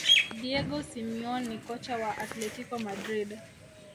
diego simeone ni kocha wa athletico madrid